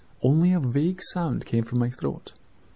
A vague sound came from my throat.